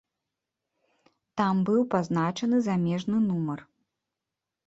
Там быў пазначаны замежны нумар.